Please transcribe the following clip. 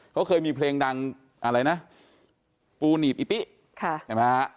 เขาเคยมีเพลงดังอะไรนะปูหนีบอิปิค่ะเห็นไหมฮะ